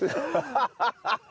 ハハハハッ！